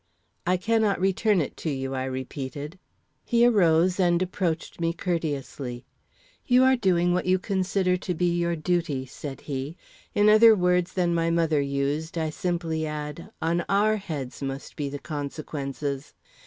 "I cannot return it to you," I repeated. He arose and approached me courteously. "You are doing what you consider to be your duty," said he. "In other words than my mother used, I simply add, on our heads must be the consequences."